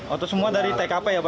oh itu semua dari tkp ya pak